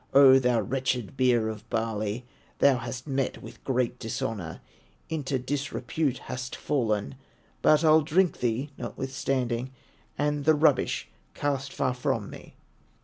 O thou wretched beer of barley, Thou hast met with great dishonor, Into disrepute hast fallen, But I'll drink thee, notwithstanding, And the rubbish cast far from me."